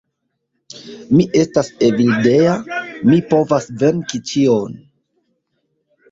Mi estas Evildea, mi povas venki ĉion.